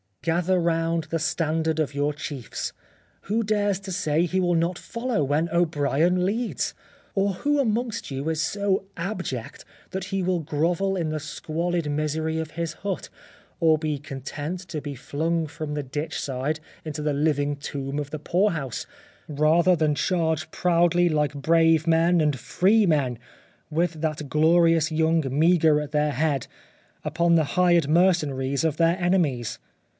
" Gather round the standard of your chiefs. Who dares to say he will not follow, when O'Brien leads ? Or who amongst you is so ab ject that he will grovel in the squalid misery of his hut, or be content to be flung from the ditch side into the living tomb of the poorhouse, 54 The Life of Oscar Wilde rather than charge proudly hke brave men and free men, with that glorious young Meagher at their head, upon the hired mercenaries of their enemies